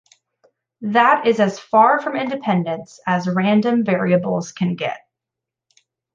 That is as far from independence as random variables can get.